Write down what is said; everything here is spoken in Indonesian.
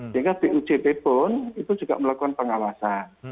sehingga bujp pun itu juga melakukan pengawasan